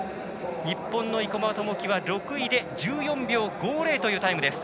日本の生馬知季は６位で１４秒５０というタイム。